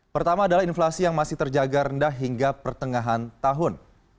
pertama adalah inflasi yang masih terjaga rendah hingga pertengahan tahun